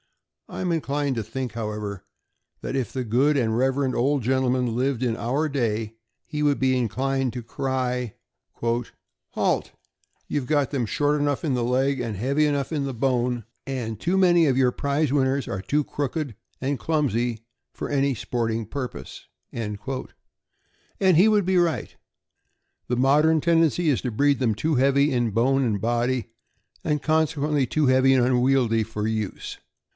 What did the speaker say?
I am inclined to think, how ever, that if the good and reverend old gentleman lived in our day, he would be inclined to cry: '' Halt! You have got them short enough in the leg, and heavy enough in bone, and too many of your prize winners are too crooked and clumsy for any sporting purpose. " And he would be right. The modern tendency is to breed them too heavy in bone and body, and consequently too heavy and unwieldy for use.